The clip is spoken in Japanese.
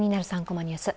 ３コマニュース」